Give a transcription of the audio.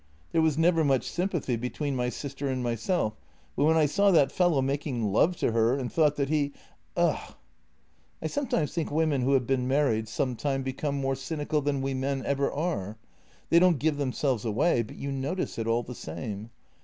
There was never much sympathy between my sister and myself, but when I saw that fellow making love to her, and thought that he ... Ugh! " I sometimes think women who have been married some time become more cynical than we men ever are. They don't give themselves away, but you notice it all the same.